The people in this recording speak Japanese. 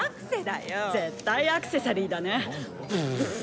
絶対、アクセサリーだね。